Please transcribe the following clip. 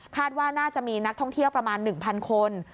ว่าน่าจะมีนักท่องเที่ยวประมาณ๑๐๐คน